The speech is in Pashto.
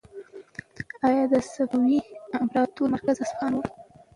ایا د صفوي امپراطورۍ مرکز اصفهان و؟